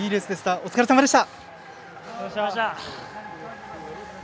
お疲れさまでした。